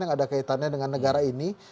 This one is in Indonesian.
yang ada kaitannya dengan negara ini